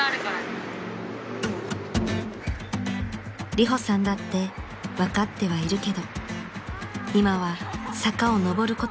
［リホさんだって分かってはいるけど今は坂を上ることだけで必死です］